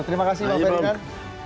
terima kasih bang ferdinand